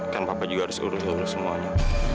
kan papa juga harus urus semuanya